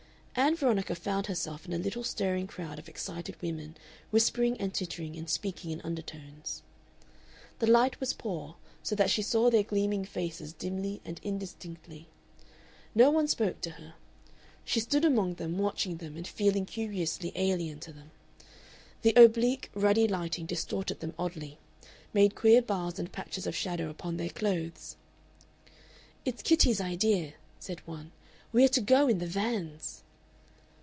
Ann Veronica found herself in a little stirring crowd of excited women, whispering and tittering and speaking in undertones. The light was poor, so that she saw their gleaming faces dimly and indistinctly. No one spoke to her. She stood among them, watching them and feeling curiously alien to them. The oblique ruddy lighting distorted them oddly, made queer bars and patches of shadow upon their clothes. "It's Kitty's idea," said one, "we are to go in the vans."